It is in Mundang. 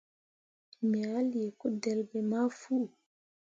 Me ah lii kudelle ma fu.